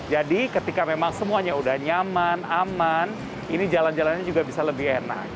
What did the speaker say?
jadi ketika memang semuanya sudah nyaman aman ini jalan jalannya juga bisa lebih enak